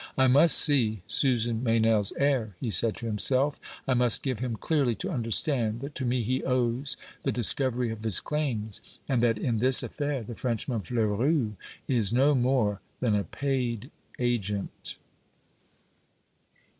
"I must see Susan Meynell's heir," he said to himself; "I must give him clearly to understand that to me he owes the discovery of his claims, and that in this affair the Frenchman Fleurus is no more than a paid agent."